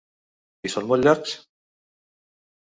I són molt llargs?